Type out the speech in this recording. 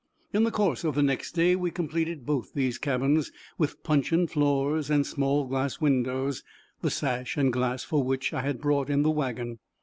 In the course of the next day we completed both these cabins, with puncheon floors and small glass windows, the sash and glass for which I had brought in the wagon.